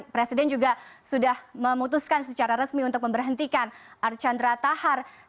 presiden juga sudah memutuskan secara resmi untuk memberhentikan archandra tahar